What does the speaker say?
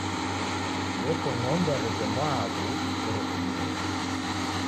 Yeko ng'ombe ya w'eke mwaaw'u kuserefunyireghe.